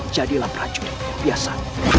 jadilah prajurit yang biasa